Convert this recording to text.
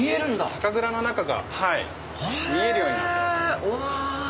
酒蔵の中が見えるようになってます。